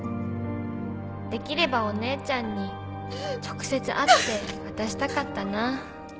「できればお姉ちゃんに直接会って渡したかったな」